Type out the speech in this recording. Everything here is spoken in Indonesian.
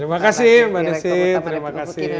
terima kasih mbak desy